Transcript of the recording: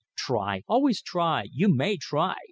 "Try! Always try! You may try!